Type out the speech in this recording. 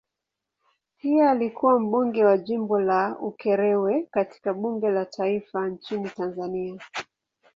Pia alikuwa mbunge wa jimbo la Ukerewe katika bunge la taifa nchini Tanzania.